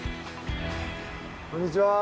こんにちは